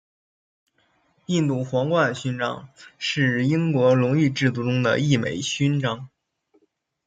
印度皇冠勋章是英国荣誉制度中的一枚勋章。